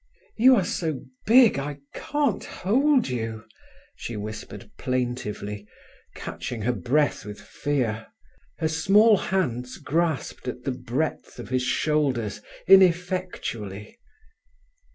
"You are so big I can't hold you," she whispered plaintively, catching her breath with fear. Her small hands grasped at the breadth of his shoulders ineffectually.